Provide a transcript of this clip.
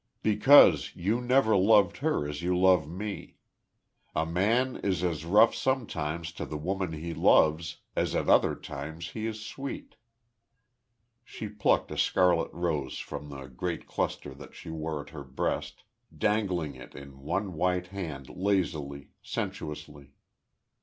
"Because you never loved her as you love me. A man is as rough sometimes to the woman he loves as at other times he is sweet." She plucked a scarlet rose from the great cluster that she wore at her breast, dangling it in one white hand, lazily, sensuously.